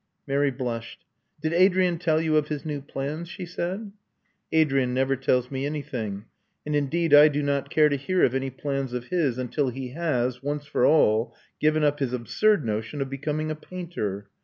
Mary blushed. "Did Adrian tell you of his new plans?" she said. "Adrian never tells me anything. And indeed I do not care to hear of any plans of his until he has, once for all, given up his absurd notion of becoming a painter.